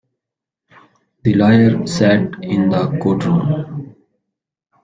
The lawyer sat in the courtroom.